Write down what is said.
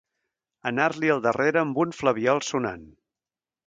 Anar-li al darrere amb un flabiol sonant.